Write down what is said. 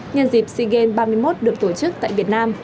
nhân dịp si game ba mươi một được tổ chức tại việt nam